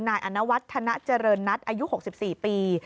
นายอนวัฒนาเจริญนัทอายุ๖๔ปี